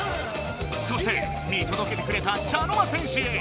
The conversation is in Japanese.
そして見とどけてくれた茶の間戦士へ。